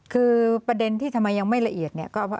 คือประเด็นที่ทำไมยังไม่ละเอียดเนี่ย